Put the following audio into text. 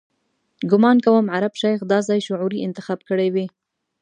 ګومان کوم عرب شیخ دا ځای شعوري انتخاب کړی وي.